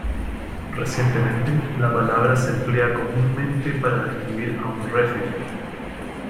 Recientemente, la palabra se emplea comúnmente para describir a un referee.